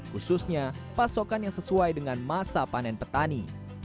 khususnya pasokan yang sesuai dengan masa panen petani